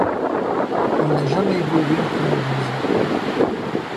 Il n'a jamais évolué en première division.